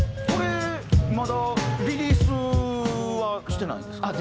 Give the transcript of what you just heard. これまだリリースはしてないんですか？